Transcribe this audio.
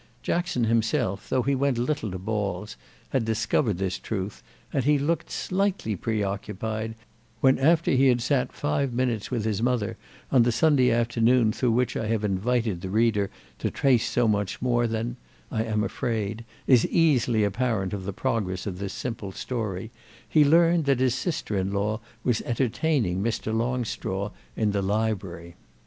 Jackson himself, though he went little to balls, had discovered this truth, and he looked slightly preoccupied when, after he had sat five minutes with his mother on the Sunday afternoon through which I have invited the reader to trace so much more than—I am afraid—is easily apparent of the progress of this simple story, he learned that his sister in law was entertaining Mr. Longstraw in the library.